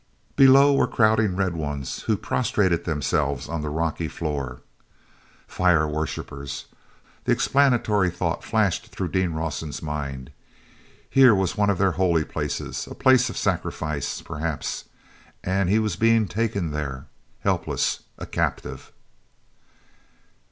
Below were crowding red ones who prostrated themselves on the rocky floor. "Fire worshipers!" The explanatory thought flashed through Dean Rawson's mind. "Here was one of their holy places, a place of sacrifice, perhaps, and he was being taken there, helpless, a captive!"